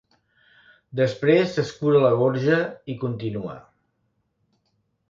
Després s'escura la gorja i continua.